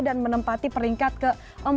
dan menempati peringkat ke empat puluh tiga